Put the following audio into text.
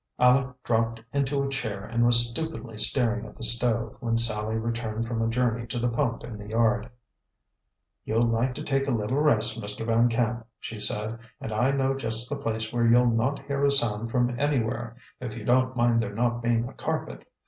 Aleck dropped into a chair and was stupidly staring at the stove when Sallie returned from a journey to the pump in the yard. "You'll like to take a little rest, Mr. Van Camp," she said, "and I know just the place where you'll not hear a sound from anywhere if you don't mind there not being a carpet.